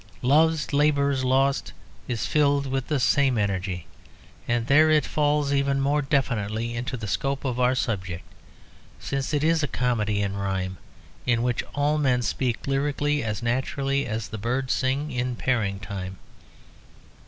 "Love's Labour's Lost" is filled with the same energy, and there it falls even more definitely into the scope of our subject, since it is a comedy in rhyme in which all men speak lyrically as naturally as the birds sing in pairing time.